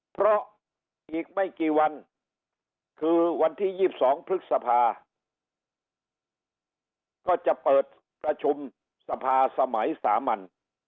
เพราะอีกไม่กี่วันคือวันที่๒๒พฤษภาก็จะเปิดประชุมสภาสมัยสามัญ